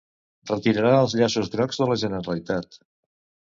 Retirarà els llaços grocs de la Generalitat.